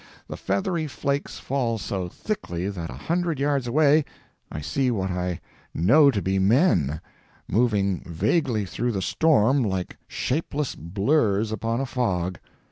The feathery flakes fall so thickly that a hundred yards away I see what I know to be men, moving vaguely through the storm like shapeless blurs upon a fog.